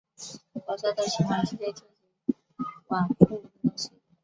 活塞在循环期间进行往复运动时。